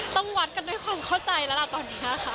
ต้องวัดกันด้วยความเข้าใจแล้วล่ะตอนนี้ค่ะ